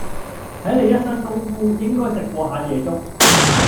睇你一身功夫，應該係食過吓夜粥